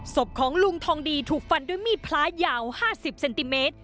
ศพของลุงทองดีถูกฟันด้วยมีดพลายาว๕๐เซนติเมตร